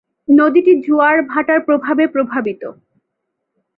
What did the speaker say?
নদীটি জোয়ার ভাটার প্রভাবে প্রভাবিত।